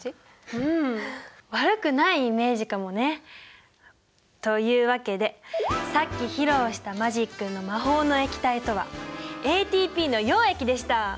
うん悪くないイメージかもね。というわけでさっき披露したマジックの魔法の液体とはＡＴＰの溶液でした。